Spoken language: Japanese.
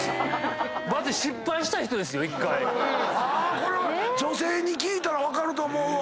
これは女性に聞いたら分かると思うわ。